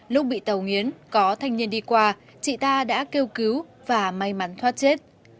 lúc bị tàu nghiến có thanh niên đi qua chị ta đã kêu cứu và may mắn thoát chết